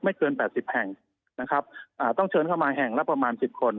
ไม่เกิน๘๐แห่งนะครับต้องเชิญเข้ามาแห่งละประมาณ๑๐คน